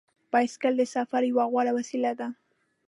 بایسکل د سفر یوه غوره وسیله ده.